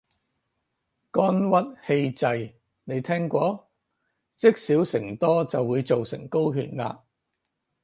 肝鬱氣滯，你聽過？積少成多就會做成高血壓